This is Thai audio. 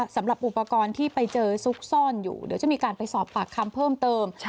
สำหรับอุปกรณ์ที่ไปเจอซุกซ่อนอยู่เดี๋ยวจะมีการไปสอบปากคำเพิ่มเติม